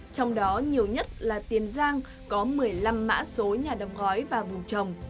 trong đó nhiều nhất là tiền giang có một mươi năm mã số nhà đồng gói và vùng trồng